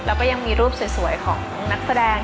แล้วก็ยังมีรูปสวยของนักแสดง